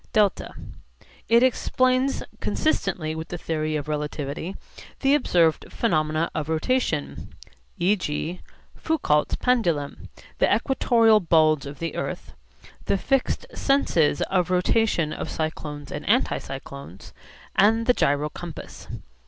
(δ) It explains (consistently with the theory of relativity) the observed phenomena of rotation, e.g. Foucault's pendulum, the equatorial bulge of the earth, the fixed senses of rotation of cyclones and anticyclones, and the gyro compass.